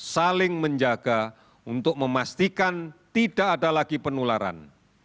saling menjaga untuk memastikan tidak ada lagi penularan